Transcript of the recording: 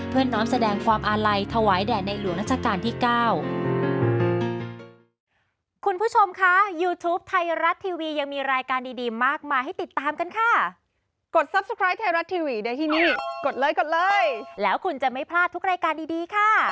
เพื่อนน้องแสดงฟอร์มอาลัยถวายแด่ในหลวงนักจักรที่๙